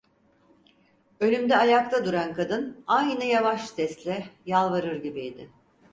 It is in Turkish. Önümde ayakta duran kadın aynı yavaş sesle, yalvarır gibiydi.